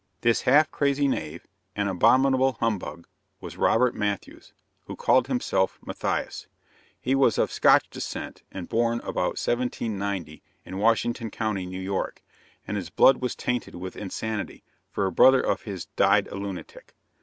This half crazy knave and abominable humbug was Robert Matthews, who called himself Matthias. He was of Scotch descent, and born about 1790, in Washington county, New York; and his blood was tainted with insanity, for a brother of his died a lunatic.